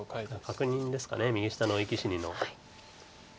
確認ですか右下の生き死にの。